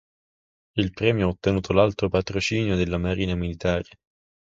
Il premio ha ottenuto l'alto Patrocinio della Marina Militare.